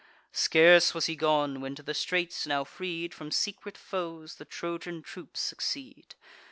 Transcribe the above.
Scarce was he gone, when to the straits, now freed From secret foes, the Trojan troops succeed.